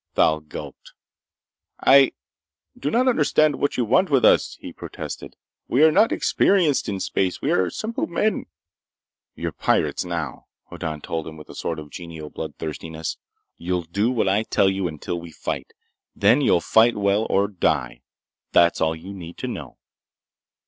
Thal gulped. "I ... do not understand what you want with us," he protested. "We are not experienced in space! We are simple men—" "You're pirates now," Hoddan told him with a sort of genial bloodthirstiness. "You'll do what I tell you until we fight. Then you'll fight well or die. That's all you need to know!"